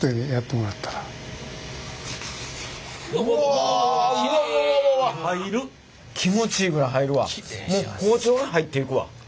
もう包丁が入っていくわ。